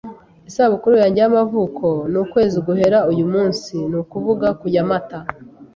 Isabukuru yanjye y'amavuko ni ukwezi guhera uyu munsi. Ni ukuvuga, ku ya Mata.